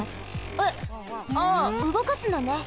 えっあうごかすのね。